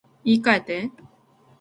言い換えて